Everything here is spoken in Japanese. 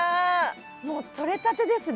もうとれたてですね。